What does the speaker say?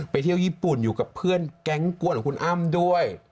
เที่ยวญี่ปุ่นอยู่กับเพื่อนแก๊งกวนของคุณอ้ำด้วย